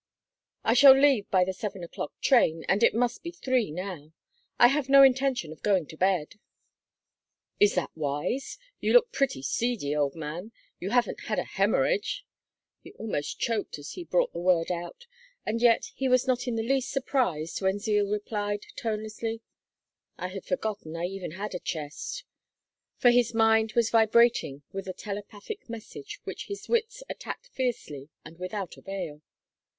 "I shall leave by the seven o'clock train, and it must be three now. I have no intention of going to bed." "Is that wise? You look pretty seedy, old man. You haven't had a hemorrhage?" He almost choked as he brought the word out, and yet he was not in the least surprised when Zeal replied, tonelessly, "I had forgotten I ever had a chest;" for his mind was vibrating with a telepathic message which his wits attacked fiercely and without avail.